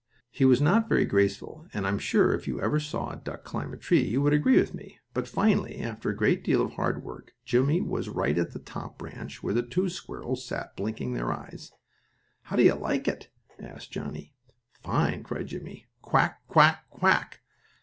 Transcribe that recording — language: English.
He was not very graceful, and I'm sure if you ever saw a duck climb a tree you would agree with me, but finally, after a great deal of hard work, Jimmie was right on the top branch where the two squirrels sat blinking their eyes. "How do you like it?" asked Johnnie. "Fine!" cried Jimmie. "Quack! Quack! Quack!"